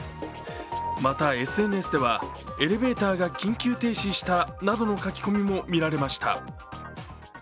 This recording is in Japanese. また、ＳＮＳではエレベーターが緊急停止したなどの書き込みも見られました。